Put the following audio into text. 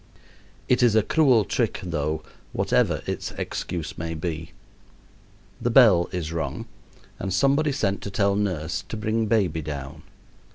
It is a cruel trick, though, whatever its excuse may be. The bell is rung and somebody sent to tell nurse to bring baby down.